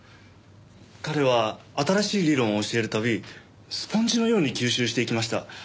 彼は新しい理論を教えるたびスポンジのように吸収していきました。